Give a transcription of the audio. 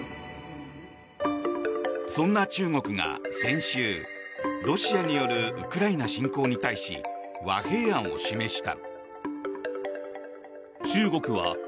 そんな中国が先週ロシアによるウクライナ侵攻に対し和平案を示した。